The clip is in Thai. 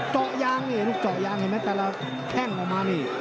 เจาะยางนี่ลูกเจาะยางเห็นไหมแต่ละแข้งออกมานี่